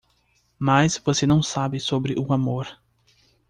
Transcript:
Mas você não sabe sobre o amor.